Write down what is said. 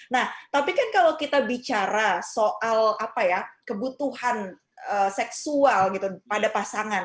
nah tapi kan kalau kita bicara soal kebutuhan seksual pada pasangan